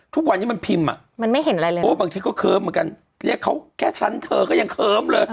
ทุกวันนี้มันพิมพ์อะโอ้บางทีก็เคิมเหมือนกันเรียกเขาแค่ฉันเธอก็ยังเคิมเลย